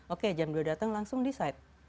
oke jam dua datang langsung di site